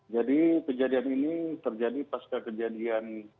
jadi kejadian ini terjadi pasca kejadian